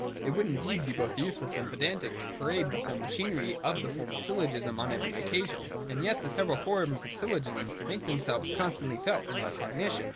It would indeed be both useless and pedantic to parade the whole machinery of the formal syllogism on every occasion. And yet the several forms of syllogism make themselves con stantly felt in our cognition.